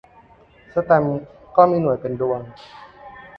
แสตมป์ก็มีหน่วยเป็นดวง